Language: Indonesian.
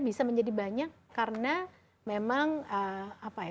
bisa menjadi banyak karena memang apa ya